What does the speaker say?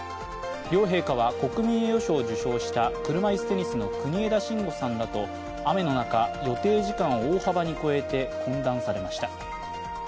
両陛下は国民栄誉賞を受賞した車いすテニスの国枝慎吾さんらと雨の中、予定時間を大幅に超えて懇談されました。